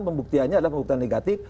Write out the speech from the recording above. pembuktiannya adalah pembuktian negatif